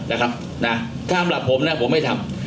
ถ้าสำหรับผมผมไม่ทำ